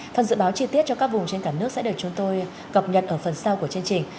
phần dự báo chi tiết cho các vùng trên cả nước sẽ được chúng tôi cập nhật ở phần sau của chương trình